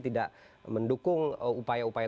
tidak mendukung upaya upaya